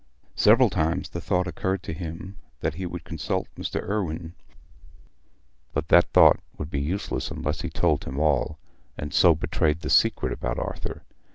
Several times the thought occurred to him that he would consult Mr. Irwine, but that would be useless unless he told him all, and so betrayed the secret about Arthur.